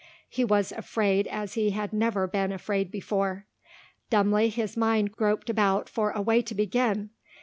He was afraid as he had never been afraid before. Dumbly his mind groped about for a way to begin.